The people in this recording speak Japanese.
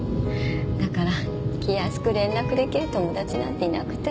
だから気安く連絡出来る友達なんていなくて。